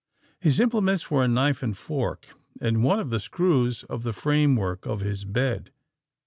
His implements were a knife and fork, and one of the screws of the frame work of his bed.